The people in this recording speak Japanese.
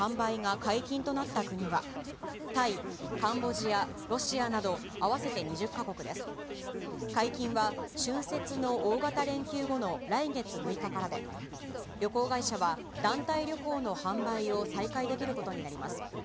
解禁は春節の大型連休後の来月６日からで、旅行会社は団体旅行の販売を再開できることになります。